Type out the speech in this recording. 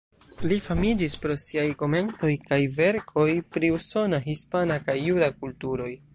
Li famiĝis pro siaj komentoj kaj verkoj pri usona, hispana kaj juda kulturoj.